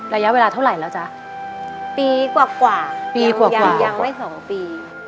ระยะเวลาเท่าไหร่แล้วจ๊ะปีกว่ากว่าปีกว่ายังไม่สองปี